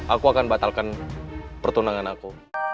aku akan batalkan pertunangan aku